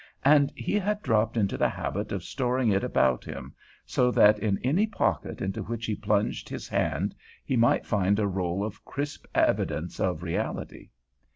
And he had dropped into the habit of storing it about him, so that in any pocket into which he plunged his hand he might find a roll of crisp evidence of reality.